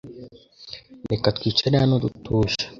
Reka twicare hano dutuje .